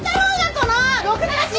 このろくでなし！